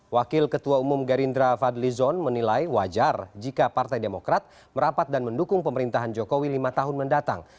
wakil ketua umum gerindra fadli zon menilai wajar jika partai demokrat merapat dan mendukung pemerintahan jokowi lima tahun mendatang